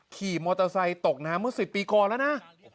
ขี่มอเตอร์ไซค์ตกน้ำเมื่อ๑๐ปีก่อนแล้วนะ